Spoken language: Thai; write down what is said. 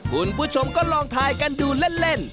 คุณผู้ชมก็ลองทายกันดูเล่น